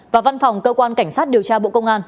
và văn phòng cơ quan cảnh sát điều tra bộ công an